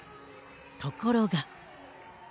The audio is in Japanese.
ところが。